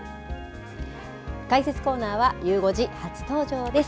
解説コーナーはゆう５時、初登場です。